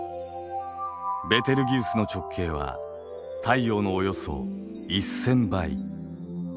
ベテルギウスの直径は太陽のおよそ１，０００倍。